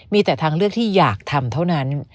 มีแต่ทางเลือกที่อยากทำเท่านั้น